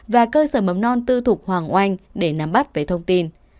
và cơ sở mầm non tư thuộc hoàng anh để nắm bắt về thông tin